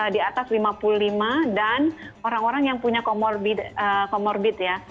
di atas lima puluh lima dan orang orang yang punya comorbid ya